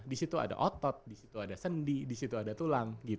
di situ ada otot di situ ada sendi di situ ada tulang